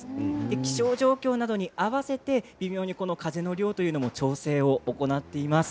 気象状況に合わせて微妙に風の量の調整を行っています。